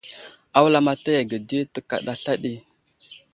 A wulamataya ge di tekaɗa sla ɗi.